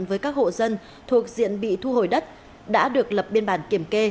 với các hộ dân thuộc diện bị thu hồi đất đã được lập biên bản kiểm kê